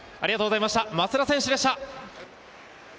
松田選手でした。